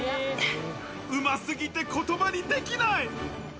うますぎて言葉にできない。